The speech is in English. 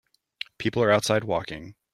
People are outside walking.